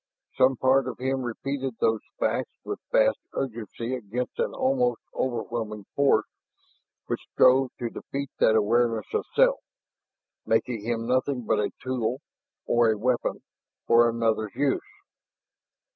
Some part of him repeated those facts with vast urgency against an almost overwhelming force which strove to defeat that awareness of self, making him nothing but a tool or a weapon for another's use.